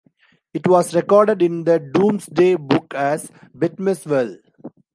It was recorded in the Domesday Book as Betmeswelle.